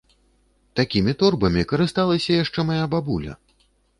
Такімі торбамі карысталася яшчэ мая бабуля!